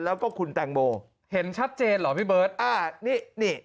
แล้วก็คุณแตงโมเห็นชัดเจนเหรอพี่เบิร์ตอ่านี่นี่